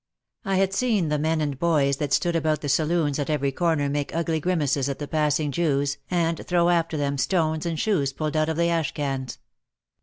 I had seen the men and boys that stood about the saloons at every corner make ugly grimaces at the passing Jews and throw after them stones and shoes pulled out of the ash cans.